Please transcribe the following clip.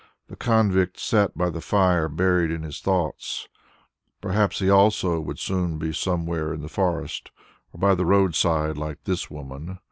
The convict sat by the fire, buried in his thoughts. Perhaps he also would soon be somewhere in the forest or by the road side like this woman.